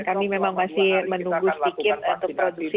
kami memang masih menunggu sedikit untuk produksi